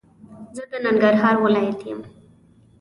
زه د ننګرهار ولايت يم